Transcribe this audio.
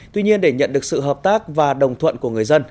tuy nhiên để nhận được sự hợp tác và đồng thuận của người dân